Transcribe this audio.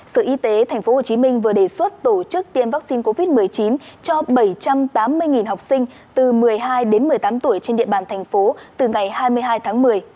sở y tế tp hcm vừa đề xuất tổ chức tiêm vaccine covid một mươi chín cho bảy trăm tám mươi học sinh từ một mươi hai đến một mươi tám tuổi trên địa bàn thành phố từ ngày hai mươi hai tháng một mươi